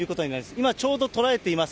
今、ちょうど捉えています